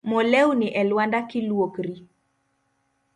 Mo lewni e lwanda ki luokori.